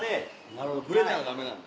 なるほどブレたらダメなんだ。